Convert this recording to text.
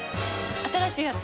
新しいやつ？